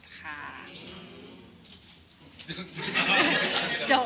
จบหืมแล้วก็จบ